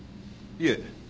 いえ。